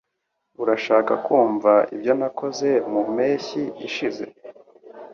Urashaka kumva ibyo nakoze mu mpeshyi ishize